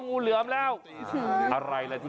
ไก่ชนโอ้โฮเลือกที่ไก่ชน